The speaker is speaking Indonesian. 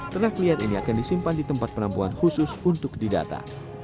ternak liar ini akan disimpan di tempat penampungan khusus untuk didata